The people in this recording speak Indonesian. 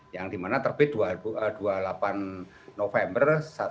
yang dimana terbit dua puluh delapan november dua ribu delapan belas